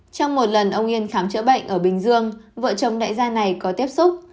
trong một lần ông yên khám chữa bệnh ở bình dương vợ chồng đại gia này có tiếp xúc